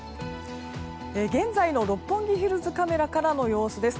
現在の六本木ヒルズカメラからの様子です。